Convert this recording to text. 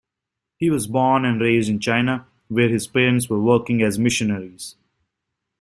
He was born and raised in China, where his parents were working as missionaries.